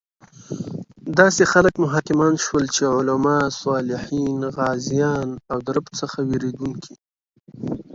داسې خلک مو حاکمان شول چې علماء، صالحین، غازیان او د رب څخه ویریدونکي